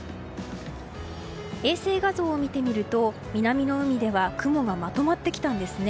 衛星画像を見てみると南の海では雲がまとまってきたんですね。